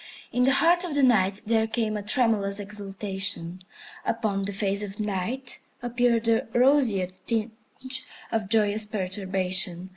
In the heart of the Night there came a tremulous exultation. Upon the face of the Night appeared a roseate tinge of joyous perturbation.